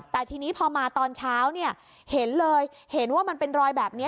แต่ทีนี้พอมาตอนเช้าเนี่ยเห็นเลยเห็นว่ามันเป็นรอยแบบนี้